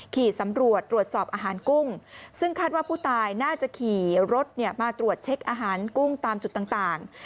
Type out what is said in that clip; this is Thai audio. ขี่สำรวจตรวจสอบอาหารกุ้งซึ่งคาดว่าผู้ตายน่าจะขี่รถมาตรวจเช็คอาหารกุ้งตามจุดต่าง